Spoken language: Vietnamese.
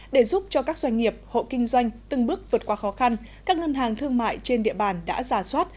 để giúp cho các doanh nghiệp hộ kinh doanh từng bước vượt qua khó khăn các ngân hàng thương mại trên địa bàn đã giả soát